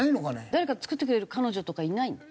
誰か作ってくれる彼女とかいないの？